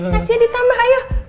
kasihnya ditambah ayo